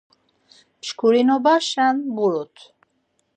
Mşkironobaşen bğurut.